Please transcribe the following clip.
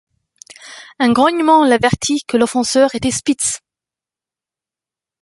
Un grognement l’avertit que l’offenseur était Spitz.